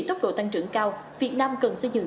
tốc độ tăng trưởng cao việt nam cần xây dựng